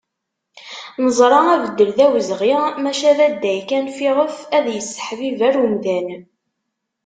Neẓra abeddel d awezɣi, maca d adday kan fiɣef ad yesseḥibiber umdan.